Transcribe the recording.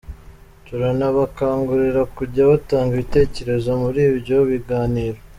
Turanabakangurira kujya batanga ibitekerezo muri ibyo biganiro.